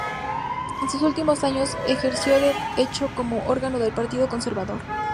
En sus últimos años ejerció de hecho como órgano del Partido Conservador.